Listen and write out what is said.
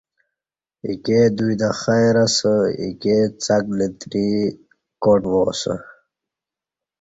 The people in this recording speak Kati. ایکے دوی تہ خیر اسہ ،ایکے څݣ لتری تہ کاٹ وا اسہ